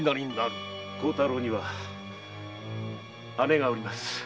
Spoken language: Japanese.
孝太郎には姉がおります。